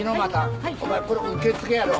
お前これ受付やろ。